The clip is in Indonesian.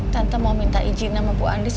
tante mau minta izin sama bu anies